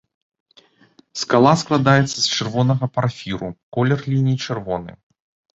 Скала складаецца з чырвонага парфіру, колер ліній чырвоны.